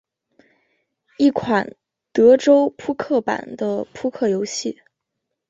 一款德州扑克版的扑克游戏。